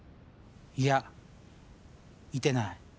いや見てない。